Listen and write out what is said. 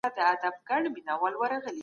ټولنيز اختلاف ګډوډي زېږوي.